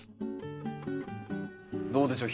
どうでしょう？